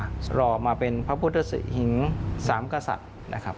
หล่อมาเป็นพระพุทธสุธิหิง๓กษัตริย์ค่ะ